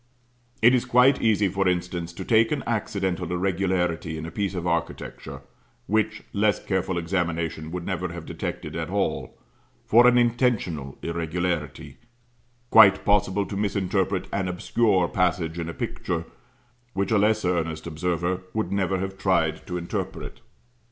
It is quite easy, for instance, to take an accidental irregularity in a piece of architecture, which less careful examination would never have detected at all, for an intentional irregularity; quite possible to misinterpret an obscure passage in a picture, which a less earnest observer would never have tried to interpret.